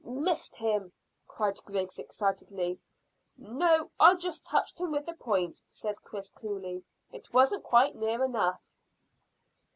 "Missed him?" cried Griggs excitedly. "No; I just touched him with the point," said Chris coolly. "I wasn't quite near enough."